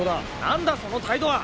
何だその態度は！